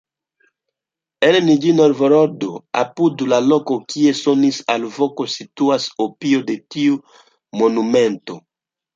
En Niĵni-Novgorodo, apud la loko, kie sonis alvoko, situas kopio de tiu monumento.